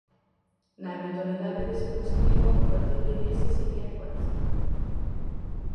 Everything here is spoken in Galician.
Na eventualidade de ser positiva, o partido de Iglesias iría en coalición.